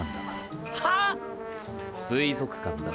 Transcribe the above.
水族館だ。